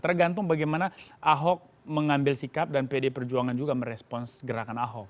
tergantung bagaimana ahok mengambil sikap dan pd perjuangan juga merespons gerakan ahok